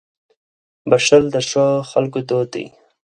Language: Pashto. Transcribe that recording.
• بښل د ښو خلکو دود دی.